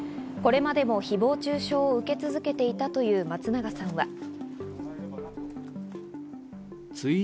これまでも誹謗中傷を受け続けていたという松永さんは。